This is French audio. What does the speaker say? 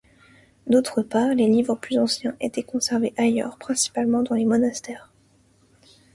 D'autre part, les livres plus anciens étaient conservés ailleurs, principalement dans les monastères.